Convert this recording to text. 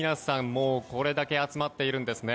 もうこれだけ集まっているんですね。